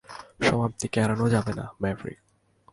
সমাপ্তিকে এড়ানো যাবে না, ম্যাভরিক।